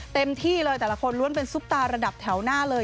เต็มที่เลยแต่ละคนล้วนเป็นซุปตาระดับแถวหน้าเลย